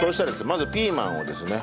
まずピーマンをですね